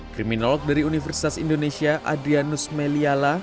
kriminolog dari universitas indonesia adrianus meliala